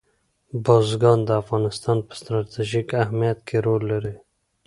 بزګان د افغانستان په ستراتیژیک اهمیت کې رول لري.